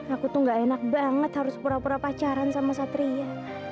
aku tuh gak enak banget harus pura pura pacaran sama satria